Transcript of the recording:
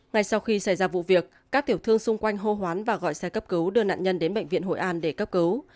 ngay sau khi xảy ra vụ việc các tiểu thương xung quanh hô hoán và gọi xe cấp cứu đưa nạn nhân đến bệnh viện hội an để cấp cứu